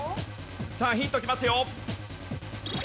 さあヒントきますよ。